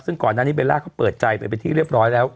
ซึ่งก่อนหน้านี้เบลล่าเขาเปิดใจไปเป็นที่เรียบร้อยแล้ว